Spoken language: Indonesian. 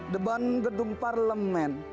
deban gedung parlemen